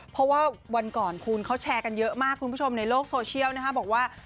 เพราะว่าวันก่อนคุณเขาแชร์กันเยอะมากคุณผู้ชมในโลกโซเชียลนะคะบอกว่า